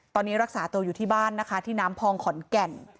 ตอนนี้รักษาตัวอยู่ที่บ้านนะคะที่น้ำพองขอนแก่น